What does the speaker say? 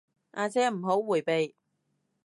阿姐唔好迴避